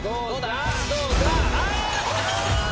どうだ？